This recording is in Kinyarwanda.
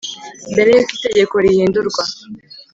Mbere y uko itegeko rihindurwa.